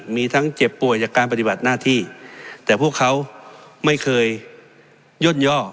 มีทั้งเจ็บป่วยจากการปฏิบัติหน้าที่แต่พวกเขาไม่เคยย่นย่อ